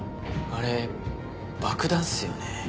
あれ爆弾っすよね？